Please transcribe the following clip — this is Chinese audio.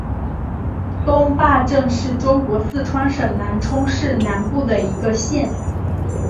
东坝镇是中国四川省南充市南部县的一个镇。